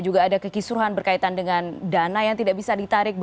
juga ada kekisruhan berkaitan dengan dana yang tidak bisa ditarik